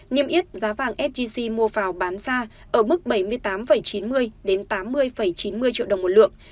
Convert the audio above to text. niêm yết giá vàng fgc mua phào bán ra ở mức bảy mươi tám chín mươi tám mươi chín mươi triệu đồng một lượng